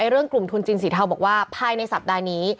เรื่องกลุ่มทุนจีนสีเทาบอกว่าภายในสัปดาห์นี้